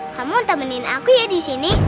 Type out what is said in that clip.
kamu temenin aku ya di sini